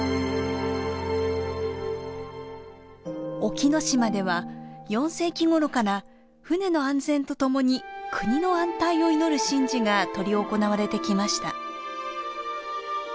沖ノ島では４世紀ごろから船の安全とともに国の安泰を祈る神事が執り行われてきました。